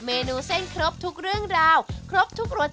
วันนี้ขอบคุณพี่อมนต์มากเลยนะครับ